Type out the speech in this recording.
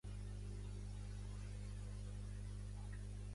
Tanmateix, no hi ha cap registra que hagués entrar al cor de la catedral.